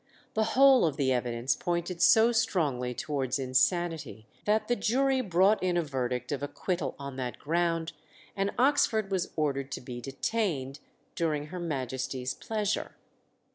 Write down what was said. The whole of the evidence pointed so strongly towards insanity, that the jury brought in a verdict of acquittal on that ground, and Oxford was ordered to be detained during Her Majesty's pleasure.